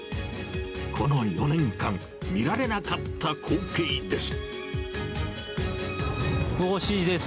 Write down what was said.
この４年間、見られなかった光景午後７時です。